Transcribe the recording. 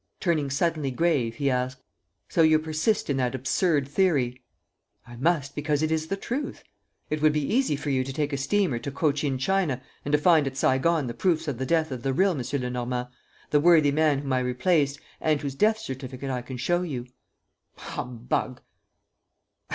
Turning suddenly grave, he asked: "So you persist in that absurd theory?" "I must, because it is the truth. It would be easy for you to take a steamer to Cochin China and to find at Saigon the proofs of the death of the real M. Lenormand, the worthy man whom I replaced and whose death certificate I can show you." "Humbug!"